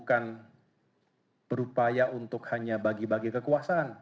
bagaimana kita berharap bukan berupaya untuk hanya bagi bagi kekuasaan